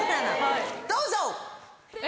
どうぞ！